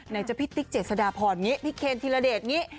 ในเจ้าพี่ติ๊กเจ๋ษฎาผ่อนงี้พี่เคนธิระเด็จนี้